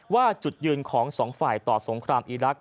ว่าจุดยืนของสองฝ่ายต่อสงครามอีรักษ